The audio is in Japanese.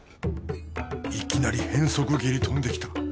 いきなり変則蹴り飛んできた。